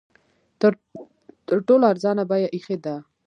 تر ټولو ارزانه بیه ایښې ده.